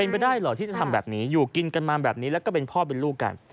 เป็นไปได้เหรอที่จะทำแบบนี้อยู่กินกันมาแบบนี้แล้วก็เป็นพ่อเป็นลูกกัน